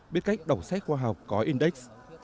biết cách đổ xét khoa học có index